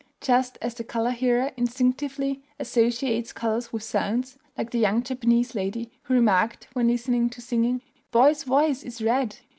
Just as the color hearer instinctively associates colors with sounds, like the young Japanese lady who remarked when listening to singing, "That boy's voice is red!"